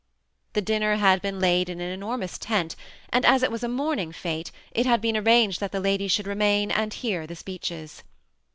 The dinner had been laid in an enormous tent ; and as it was a moming f^e, it had been ar ranged that the ladies should remain and hear the speeches.